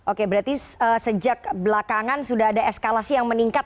oke berarti sejak belakangan sudah ada eskalasi yang meningkat